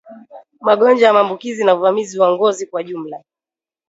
Magonjwa ya maambukizi na uvamizi wa ngozi kwa jumla